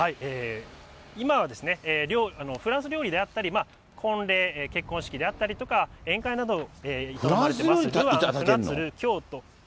今はフランス料理であったり、婚礼、結婚式であったりとか、宴会などを行われています。